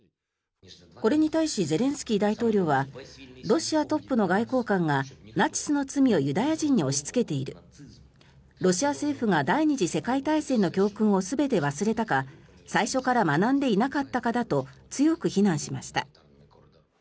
これに対しゼレンスキー大統領はロシアトップの外交官がナチスの罪をユダヤ人に押しつけているロシア政府が第２次世界大戦の教訓を全て忘れたか最初から学んでいなかったかだと強く非難しました。